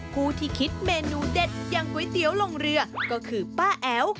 ผู้ที่คิดเมนูเด็ดอย่างก๋วยเตี๋ยวลงเรือก็คือป้าแอ๋ว